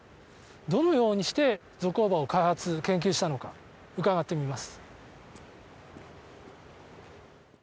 どのようにしてゾコーバを開発、研究したのか伺ってみます。